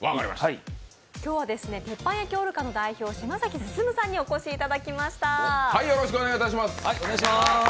今日は鉄板焼ＯＲＣＡの代表島崎進さんにお越しいただきました。